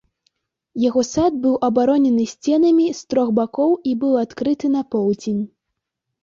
Яго сад быў абаронены сценамі з трох бакоў і быў адкрыты на поўдзень.